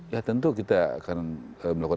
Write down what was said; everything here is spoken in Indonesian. ya tentu kita akan melakukan